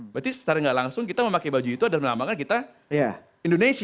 berarti secara gak langsung kita memakai baju itu adalah melambangkan kita indonesia